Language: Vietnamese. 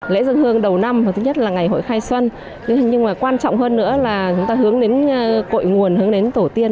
lễ dân hương đầu năm và thứ nhất là ngày hội khai xuân nhưng mà quan trọng hơn nữa là chúng ta hướng đến cội nguồn hướng đến tổ tiên